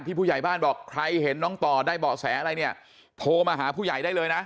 ผู้ใหญ่บ้านบอกใครเห็นน้องต่อได้เบาะแสอะไรเนี่ยโทรมาหาผู้ใหญ่ได้เลยนะ